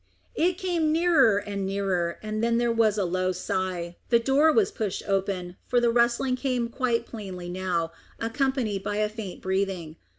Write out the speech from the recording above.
It came nearer and nearer, then there was a low sigh, the door was pushed open, for the rustling came quite plainly now, accompanied by a faint breathing.